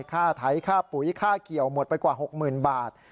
ค่าไถค่าปุ๋ยค่าเกี่ยวหมดไปกว่า๖๐๐๐บาท